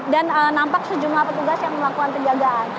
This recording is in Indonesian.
dan nampak sejumlah petugas yang melakukan perjagaan